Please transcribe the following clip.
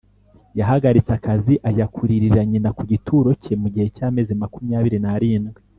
yahagaritse akazi ajya kuririra nyina ku gituro cye mu gihe cy’amezi makumyabiri narindwi